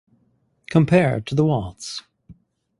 Compare to the waltz.